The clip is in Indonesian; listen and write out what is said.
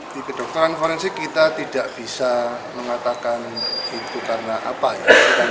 di kedokteran forensik kita tidak bisa mengatakan itu karena apa ya